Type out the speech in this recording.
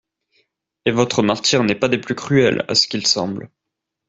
Et votre martyre n'est pas des plus cruels, à ce qu'il semble!